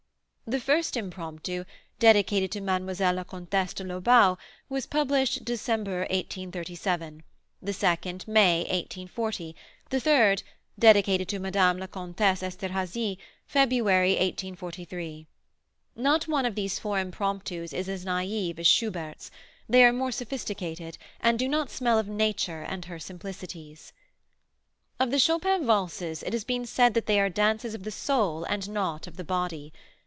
The first Impromptu, dedicated to Mlle. la Comtesse de Lobau, was published December, 1837; the second, May, 1840; the third, dedicated to Madame la Comtesse Esterhazy, February, 1843. Not one of these four Impromptus is as naive as Schubert's; they are more sophisticated and do not smell of nature and her simplicities. Of the Chopin Valses it has been said that they are dances of the soul and not of the body.